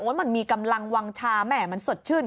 มันมีกำลังวางชาแหม่มันสดชื่น